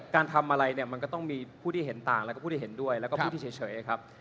การทำอะไรเนี่ยมันก็ต้องมีผู้ที่เห็นต่างแล้วก็ผู้ที่เห็นด้วยแล้วก็ผู้ที่เฉยครับ